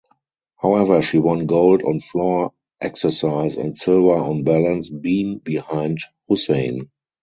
However she won gold on floor exercise and silver on balance beam behind Hussein.